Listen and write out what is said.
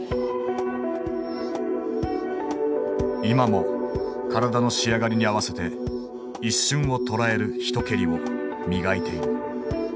今も体の仕上がりに合わせて一瞬をとらえる一蹴りを磨いている。